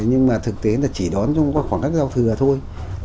nhưng mà thực tế là chỉ đón trong khoảng các giao thừa thôi